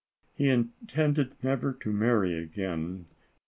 He intended never to marry again.